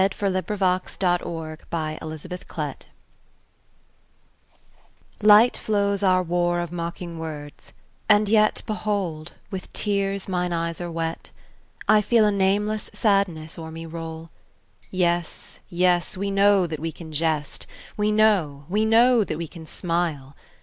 Matthew Arnold The Buried Life LIGHT flows our war of mocking words and yet Behold, with tears mine eyes are wet! I feel a nameless sadness o'er me roll, Yes, yes, we know that we can jest, We know, we know that we can smile!